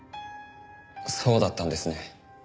そうだったんですね。